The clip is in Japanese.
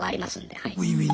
はい。